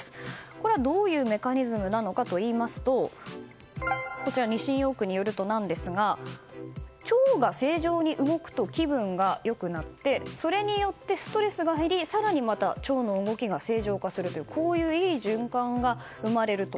これは、どういうメカニズムなのかといいますとこちら日清ヨークによるとなんですが腸が正常に動くと気分が良くなって、それによってストレスが減り、更にまた腸の動きが正常化するというこういう、いい循環が生まれると。